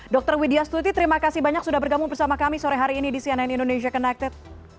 dr widya stuti terima kasih banyak sudah bergabung bersama kami sore hari ini di cnn indonesia connected